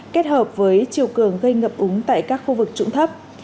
kết hợp với chiều cường gây ngập úng tại các khu vực trũng thấp